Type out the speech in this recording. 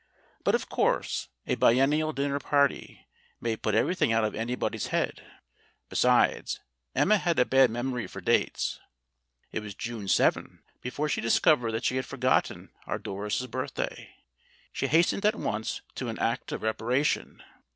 But, of course, a biennial dinner party may put everything out of anybody's head. Besides, Emma A VICIOUS CIRCLE 131 had a bad memory for dates. It was June 7 before she discovered that she had forgotten our Doris's birthday. She hastened at once to an act of repara tion.